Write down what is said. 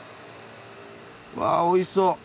わっおいしそう！